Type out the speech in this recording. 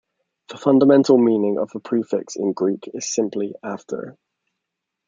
The fundamental meaning of the prefix in Greek is simply after.